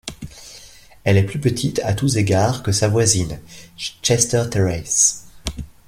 Elle est plus petite à tous égards que sa voisine, Chester Terrace.